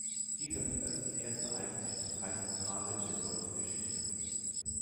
Dieser gilt als die erste eigentliche Parteizentrale in der deutschen Geschichte.